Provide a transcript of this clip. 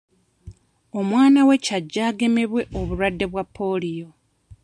Omwwna we ky'ajje agamebwe obulwadde bwa pooliyo.